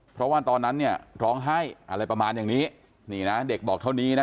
เพราะว่าตอนนั้นเนี่ยร้องไห้อะไรประมาณอย่างนี้นี่นะเด็กบอกเท่านี้นะ